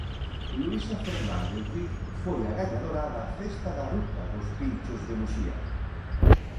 Luísa Fernández Diz foi a gañadora da cesta da ruta dos pinchos de Muxía.